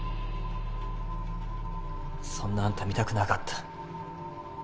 そんなあんた見たくなかった。